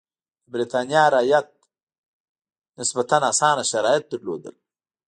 د برېټانیا رعیت نسبتا اسانه شرایط لرل.